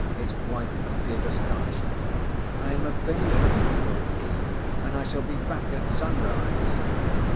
His wife appeared astonished. "I am obeying you," quoth he, "and I shall be back at sunrise."